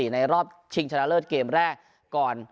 ในรอบชิงชนะเลิศเกมแรกก่อน